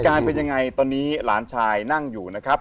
เป็นยังไงตอนนี้หลานชายนั่งอยู่นะครับ